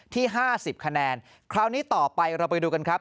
ที่๕๐คะแนนคราวนี้ต่อไปเราไปดูกันครับ